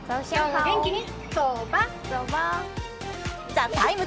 「ＴＨＥＴＩＭＥ，」